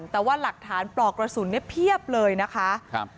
แต่ว่าหลักฐานปลอกกระสุนเนี่ยเพียบเลยนะคะครับ